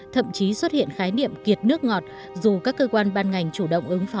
thậm chí xuất hiện khái niệm kiệt nước ngọt dù các cơ quan ban ngành chủ động ứng phó